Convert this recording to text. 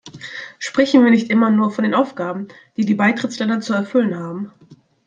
Sprechen wir nicht immer nur von den Aufgaben, die die Beitrittsländer zu erfüllen haben.